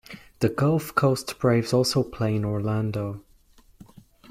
The Gulf Coast Braves also play in Orlando.